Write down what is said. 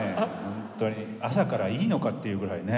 本当に朝からいいのかっていうぐらいね。